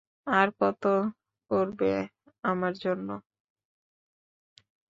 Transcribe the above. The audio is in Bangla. আর কত করবে আমার জন্য?